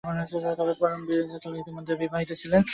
তবে পরমবীর ইতিমধ্যে বিবাহিত।